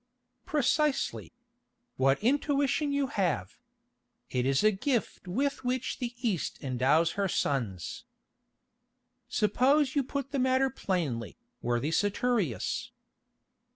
"Precisely. What intuition you have! It is a gift with which the East endows her sons." "Suppose you put the matter plainly, worthy Saturius."